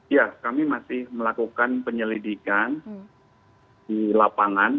ya kami masih melakukan penyelidikan di lapangan